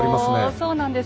そうなんです。